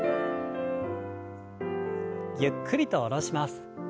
ゆっくりと下ろします。